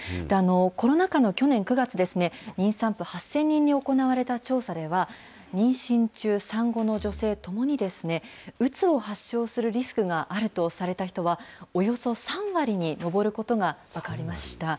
コロナ禍の去年９月ですね、妊産婦８０００人に行われた調査では、妊娠中、産後の女性ともに、うつを発症するリスクがあるとされた人は、およそ３割に上ることが分かりました。